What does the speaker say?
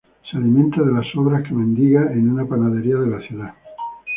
Se alimentan de las sobras que mendiga en una panadería de la ciudad.